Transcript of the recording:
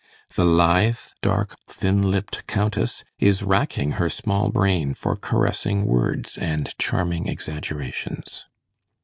The lithe, dark, thin lipped Countess is racking her small brain for caressing words and charming exaggerations.